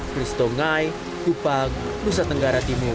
christo ngai kupang nusa tenggara timur